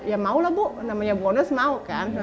ya mau lah bu namanya bonus mau kan